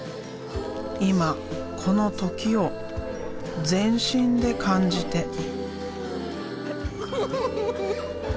今この時を全身で感じて。